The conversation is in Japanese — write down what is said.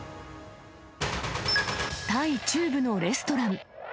タイ中部のレストラン。